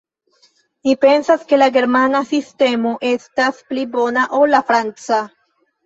Ni pensas ke la germana sistemo estas pli bona ol la franca.